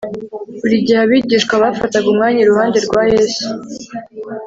buri gihe abigishwa bafataga umwanya iruhande rwa yesu